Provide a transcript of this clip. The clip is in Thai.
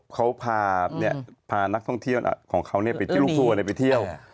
เขาพานักท่องเที่ยวของเขาไปเที่ยวลูกทัวร์ไปเที่ยว